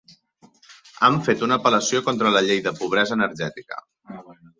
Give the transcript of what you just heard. Han fet una apel·lació contra la llei de pobresa energètica